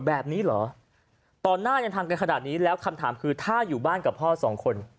แบบนี้เหรอตอนหน้ายังทำกันขนาดนี้แล้วคำถามคือถ้าอยู่บ้านกับพ่อสองคน